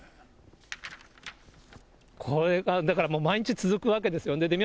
これは、だから毎日続くわけですよね。